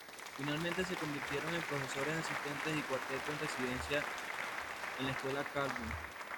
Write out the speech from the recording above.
Finalmente se convirtieron en profesores asistentes y cuarteto en residencia en la Escuela Colburn.